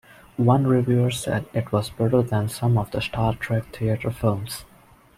One reviewer said it was better than some of the Star Trek theater films.